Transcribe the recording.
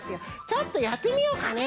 ちょっとやってみようかね？